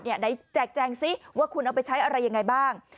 ไหนแจกแจงซิว่าคุณเอาไปใช้อะไรยังไงบ้าง